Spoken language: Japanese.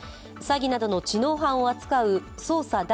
詐欺などの知能犯を扱う捜査